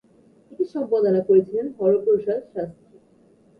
এটি সম্পাদনা করেছিলেন হরপ্রসাদ শাস্ত্রী।